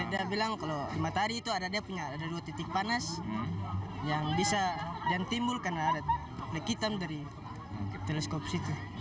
dia bilang kalau di matahari itu ada dua titik panas yang bisa dan timbul karena ada hitam dari teleskop situ